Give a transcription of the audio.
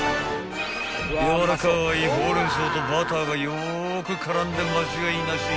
［やわらかいホウレンソウとバターがよく絡んで間違いなし］